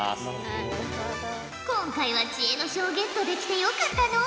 今回は知恵の書をゲットできてよかったのう。